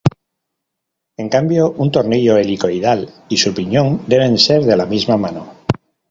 En cambio, un tornillo helicoidal y su piñón deben ser de la misma mano.